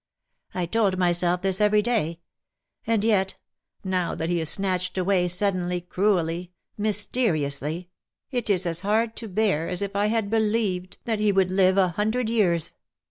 ^ I told myself this every day. And yet, now that he is snatched away suddenly — cruelly — myste riously — it is as hard to bear as if I had believed that f38 *"' YOURS ON MONDAY, GOD's T0~DAY." he would live a hundred years.